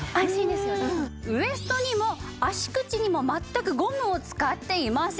ウエストにも足口にもまったくゴムを使っていません。